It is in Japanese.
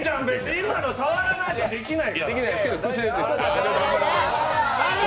今の触らないとできない。